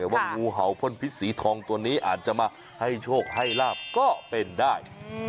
ว่างูเห่าพ่นพิษสีทองตัวนี้อาจจะมาให้โชคให้ลาบก็เป็นได้